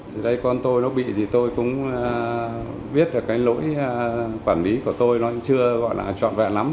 thì đây con tôi nó bị thì tôi cũng biết là cái lỗi quản lý của tôi nó chưa gọi là trọn vẹn lắm